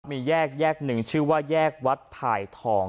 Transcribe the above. มีแยกแยกหนึ่งชื่อว่าแยกวัดพายทอง